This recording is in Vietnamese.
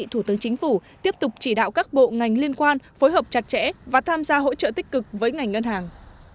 thủ tướng chính phủ tiếp tục chỉ đạo các bộ ngành liên quan phối hợp chặt chẽ và tham gia hỗ trợ tích cực với ngành ngân hàng